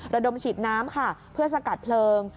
ระดมฉีดน้ำค่ะเพื่อสกัดเพลิง